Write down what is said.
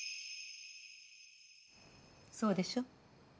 そうでしょ？